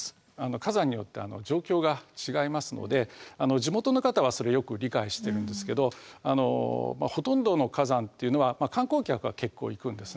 火山によって状況が違いますので地元の方はそれよく理解してるんですけどほとんどの火山っていうのは観光客が結構行くんですね。